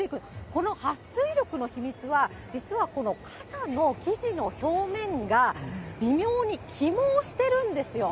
このはっ水力の秘密は、実はこの傘の生地の表面が、微妙に起毛してるんですよ。